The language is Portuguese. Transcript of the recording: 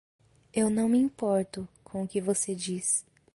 Eu não me importo com o que você diz.